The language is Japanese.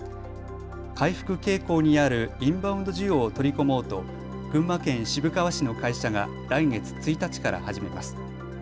回復傾向にあるインバウンド需要を取り込もうと群馬県渋川市の会社が来月１日から始めます。